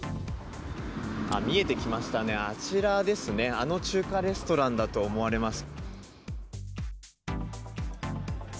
見えてきましたね、あちらですね、あの中華レストランだと思われます。